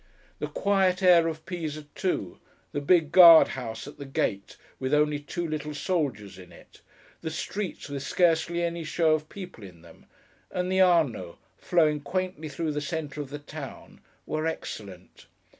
The quiet air of Pisa too; the big guard house at the gate, with only two little soldiers in it; the streets with scarcely any show of people in them; and the Arno, flowing quaintly through the centre of the town; were excellent.